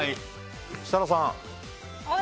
設楽さん。